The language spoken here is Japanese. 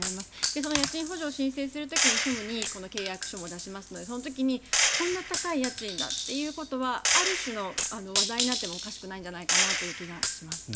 その家賃補助を申請する時に庶務に契約書も出しますのでその時にこんな高い家賃だということはある種の話題になってもおかしくないんじゃないかという気がします。